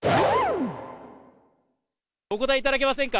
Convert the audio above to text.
お答えいただけませんか？